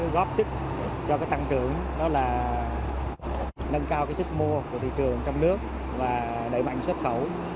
góp sức cho tăng trưởng đó là nâng cao sức mua của thị trường trong nước và đẩy mạnh xuất khẩu